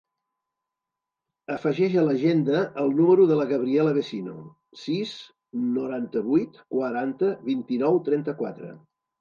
Afegeix a l'agenda el número de la Gabriela Vecino: sis, noranta-vuit, quaranta, vint-i-nou, trenta-quatre.